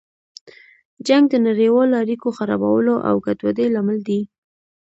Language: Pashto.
جنګ د نړیوالو اړیکو خرابولو او ګډوډۍ لامل دی.